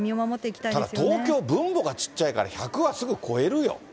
ただ東京、分母が小っちゃいから１００はすぐ超えるよ。